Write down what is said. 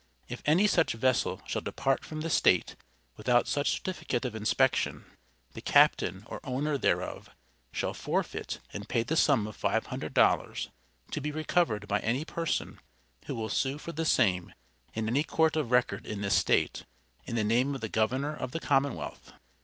If any such vessel shall depart from the State without such certificate of inspection, the captain or owner thereof, shall forfeit and pay the sum of five hundred dollars, to be recovered by any person who will sue for the same, in any court of record in this State, in the name of the Governor of the Commonwealth.